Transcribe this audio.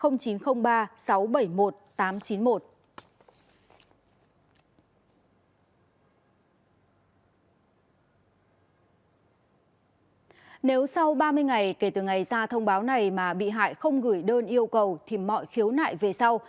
nếu sau ba mươi ngày kể từ ngày ra thông báo này mà bị hại không gửi đơn yêu cầu thì mọi khiếu nại về sau